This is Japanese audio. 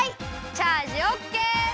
チャージオッケー！